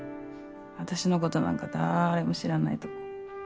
私のことなんか誰も知らないとこ。